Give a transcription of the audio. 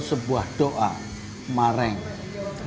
jadi saya nyelak makanan ada